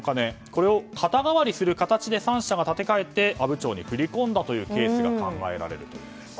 これを肩代わりする形で３社が立て替えて阿武町に振り込んだというケースが考えられるといいます。